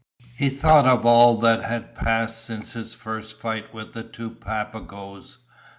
He thought of all that had passed since his first fight with the two Papagoes.